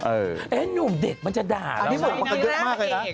เอ๊ะนุ่มเด็กมันจะด่านะมีมากกันเยอะมากเลยนะ